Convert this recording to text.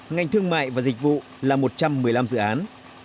ngành thương mại và dịch vụ là một trăm một mươi năm dự án